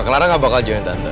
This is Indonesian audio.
clara gak bakal jauhin tante